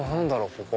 ここ。